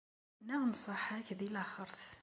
Neɣ nnṣaḥa-k di laxert.